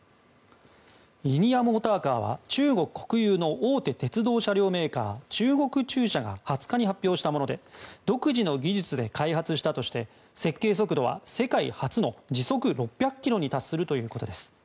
リニアモーターカーは中国国有の大手鉄道車両メーカー中国中車が２０日に発表したもので独自の技術で開発したとして設計速度は世界初の時速６００ｋｍに達するということです。